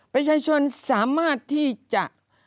ประชาชนสามารถที่จะ